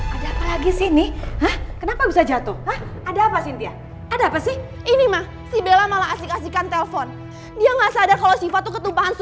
ada apa sih ini mah si bella malah asyik asyikan telepon dia nggak sadar kalau sifat ketubahan